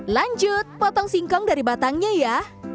lanjut potong singkong dari batangnya ya